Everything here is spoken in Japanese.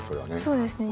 そうですね。